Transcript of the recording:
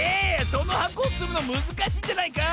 そのはこをつむのむずかしいんじゃないか？